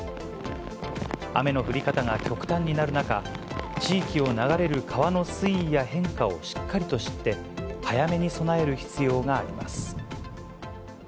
雨の降り方が極端になる中、地域を流れる川の水位や変化をしっかりと知って、早めに備える必要があります。